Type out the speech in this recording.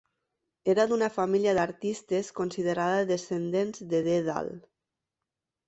Era d'una família d'artistes considerada descendents de Dèdal.